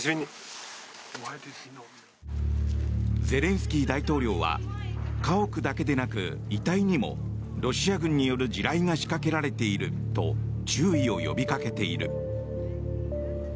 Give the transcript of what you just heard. ゼレンスキー大統領は家屋だけでなく遺体にもロシア軍による地雷が仕掛けられていると注意を呼びかけている。